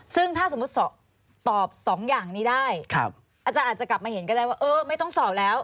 ซึ่งถ้าสมมุติตอบสองอย่างนี้ได้อาจารย์อาจจะกลับมาเห็นก็ได้ว่าเออไม่ต้องสอบแล้ว